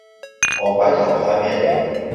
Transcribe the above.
餓鬼投胎咩你